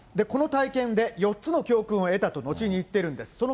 この体験で、４つの教訓を得たと、後に言ってるんです。